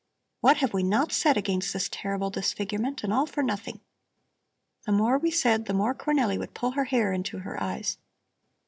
"What have we not said against this terrible disfigurement! And all for nothing! The more we said, the more Cornelli would pull her hair into her eyes.